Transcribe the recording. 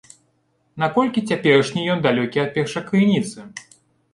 Наколькі цяперашні ён далёкі ад першакрыніцы?